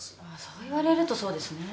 そう言われるとそうですね。